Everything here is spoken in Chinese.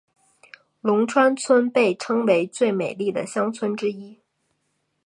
龙川村被称为最美丽的乡村之一。